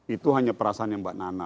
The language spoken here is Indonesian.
itu hanya perasaan yang mbak nana